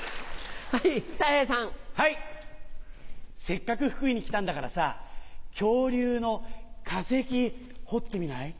せっかく福井に来たんだからさ恐竜の化石掘ってみない？